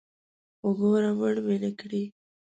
خو ګوره مړ مې نکړې.